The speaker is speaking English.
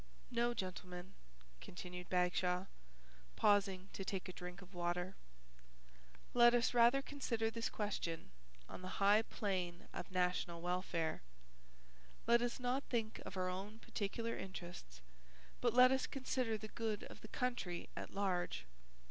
"No, gentlemen," continued Bagshaw, pausing to take a drink of water, "let us rather consider this question on the high plane of national welfare. Let us not think of our own particular interests but let us consider the good of the country at large.